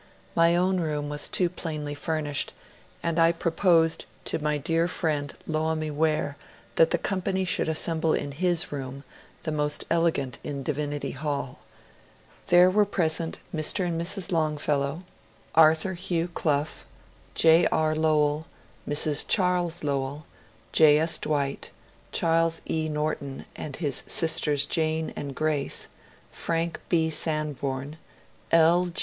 My own room was too plainly furnished ; and I proposed to my dear friend Loammi Ware that the company should assemble in his room, the most elegant in Divinity Hall. There were present Mr. and Mrs. Longfellow, 168 MONCURE DANIEL CONWAY Arthur Hugh Clough, J. R. Lowell, Mrs. Charles Lowell, J. S. Dwight, Charles E. Norton and his sisters Jane and Gb*ace, Frank B. Sanborn, L.